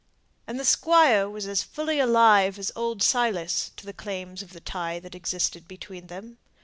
And the Squire was as fully alive as old Silas to the claims of the tie that existed between them.